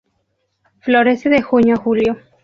Florece de junio a julio.